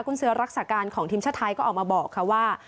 คุณเสือรักษาการของทีมชาติไทยก็ออกมาบอกค่ะว่า